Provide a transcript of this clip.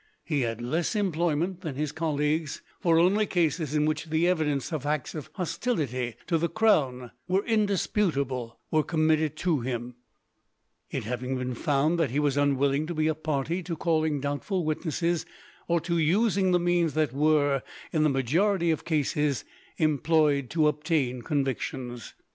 He had less employment than his colleagues, for only cases in which the evidence of acts of hostility to the crown were indisputable were committed to him, it having been found that he was unwilling to be a party to calling doubtful witnesses, or to using the means that were, in the majority of cases, employed to obtain convictions.